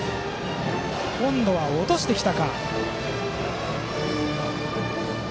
今度は落としてきたか。